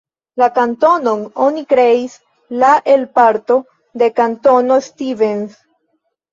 La kantonon oni kreis la el parto de Kantono Stevens.